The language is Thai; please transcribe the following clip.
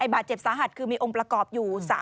บาดเจ็บสาหัสคือมีองค์ประกอบอยู่